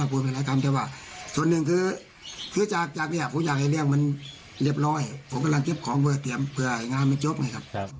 ผมกำลังเจ็บของเพื่อเตรียมเพื่อให้งานมันจบไงครับ